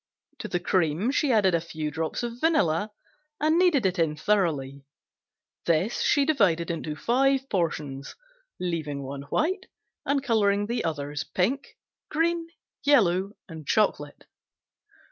To the cream she added a few drops of vanilla and kneaded it in thoroughly. This she divided into five portions, leaving one white and coloring the others pink, green, yellow and chocolate.